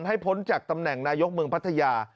พ้นจากตำแหน่งนายกเมืองพัทยา